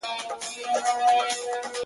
يو څه خو وايه کنه يار خبري ډيري ښې دي~